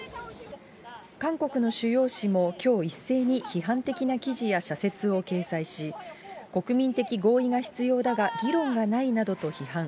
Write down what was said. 韓国の主要紙も、きょう一斉に批判的な記事や社説を掲載し、国民的合意が必要だが、議論がないなどと批判。